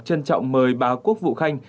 chân trọng mời bà quốc vũ khanh